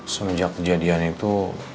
semenjak kejadian itu